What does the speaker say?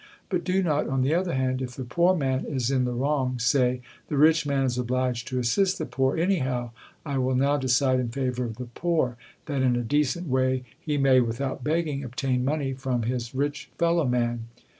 But do not, on the other hand, if the poor man is in the wrong, say: 'The rich man is obliged to assist the poor anyhow, I will now decide in favor of the poor, that in a decent way he may, without begging, obtain money from his rich fellow man.'